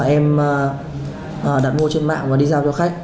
em đặt mua trên mạng và đi giao cho khách